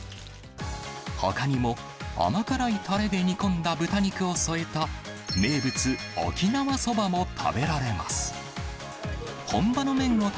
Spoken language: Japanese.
ほかにも、甘辛いたれで煮込んだ豚肉を添えた、名物、沖縄そばも食べられます。